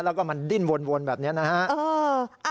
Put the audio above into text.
แล้วก็มันดิ้นวนแบบนี้นะฮะ